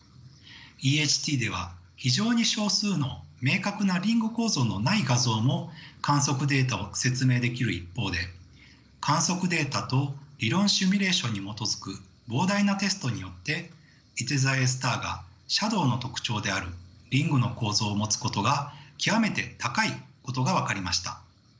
ＥＨＴでは非常に少数の明確なリング構造のない画像も観測データを説明できる一方で観測データと理論シミュレーションに基づく膨大なテストによっていて座Ａスターがシャドウの特徴であるリングの構造を持つことが極めて高いことが分かりました。